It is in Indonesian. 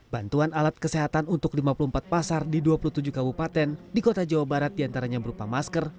bantuan alat kesehatan untuk lima puluh empat pasar di dua puluh tujuh kabupaten di kota jawa barat diantaranya berupa masker